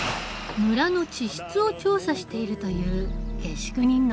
村の地質を調査しているという下宿人のネイト。